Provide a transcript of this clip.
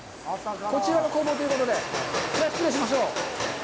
こちらが工房ということで、失礼しましょう。